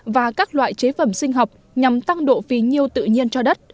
và các loại chế phẩm sinh học nhằm tăng độ phí nhiêu tự nhiên cho đất